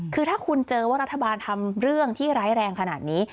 คือถ้าคุณเจอว่ารัฐบาลทำเรื่องที่ร้ายแรงขนาดนี้